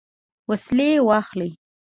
وسلې واخلي.